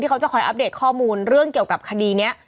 เขาจะคอยอัปเดตข้อมูลเรื่องเกี่ยวกับคดีนี้